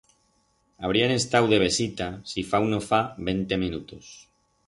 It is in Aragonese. Habrían estau de vesita si fa u no fa vente menutos.